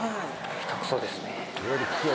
下手くそですね。